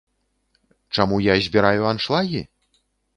Чаму я збіраю аншлагі?